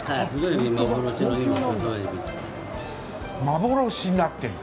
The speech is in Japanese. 幻になっている。